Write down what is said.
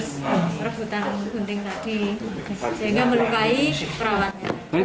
sehingga melukai perawatnya